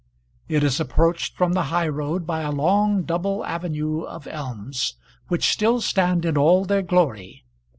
It is approached from the high road by a long double avenue of elms, which still stand in all their glory.